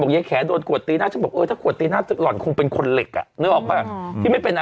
เพราะว่าครูนี้ก็โค้กกัน๘ปีกันะ